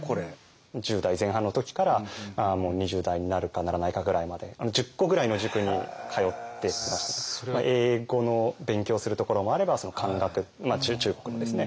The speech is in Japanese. １０代前半の時からもう２０代になるかならないかぐらいまで１０個ぐらいの塾に通っていまして英語の勉強をするところもあれば漢学中国のですね